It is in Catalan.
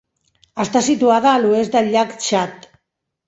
Està situada a l'oest del llac Txad.